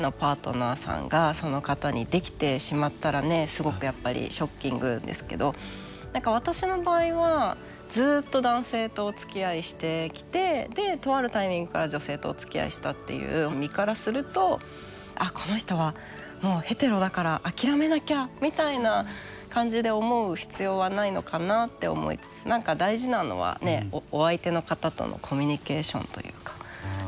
すごくやっぱりショッキングですけど私の場合はずっと男性とおつきあいしてきてとあるタイミングから女性とおつきあいしたっていう身からするとあっこの人はもうヘテロだから諦めなきゃみたいな感じで思う必要はないのかなって思いつつ大事なのはお相手の方とのコミュニケーションというか。